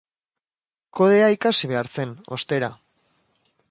Kodea ikasi behar zen, ostera.